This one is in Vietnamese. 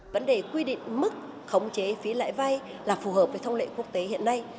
vấn đề quy định mức khống chế phí lãi vay là phù hợp với thông lệ quốc tế hiện nay